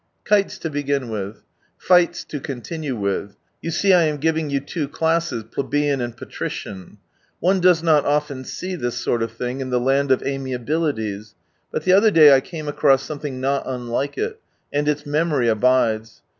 Kites to begin with. Fights to continue with. You see I am giving you two classes, plebeian and patrician. One does not often see this sort of thing in the land of amiabilities ; but the other day, I came across something not unlike it ; 'Never heard these Honourable Words and its memory aLides.